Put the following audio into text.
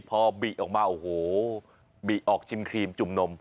พอบิออกมาโอ้โหบิออกชิมครีมจุ่มนม